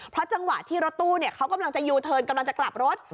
เพราะจังหวะที่รถตู้เขากำลังจะยูเทิร์นกำลังจะกลับรถ